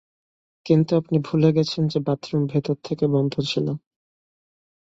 কিন্তু আপনি ভুলে গেছেন যে বাথরুম ভেতর থেকে বন্ধ ছিল।